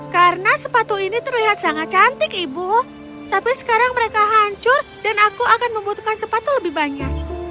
karena sepatu ini terlihat sangat cantik ibu tapi sekarang mereka hancur dan aku akan membutuhkan sepatu lebih banyak